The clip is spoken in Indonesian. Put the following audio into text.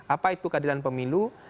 apa itu keadilan pemilu